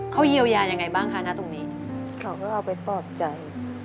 เขาเยียวยายังไงบ้างคะณตรงนี้เขาก็เอาไปปลอบใจ